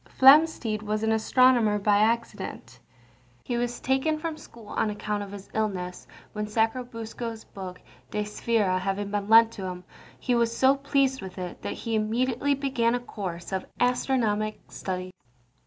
Flamsteed was an astronomer by accident. He was taken from school on account of his illness, when Sacrobosco's book De Sphæra having been lent to him, he was so pleased with it that he immediately began a course of astronomic studies.